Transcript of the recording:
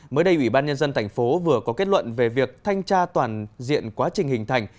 mới đây ủy ban nhân dân thành phố vừa có kết luận về việc thanh tra toàn diện quá trình hình thành